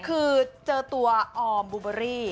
คือเจอตัวออมบูเบอรี่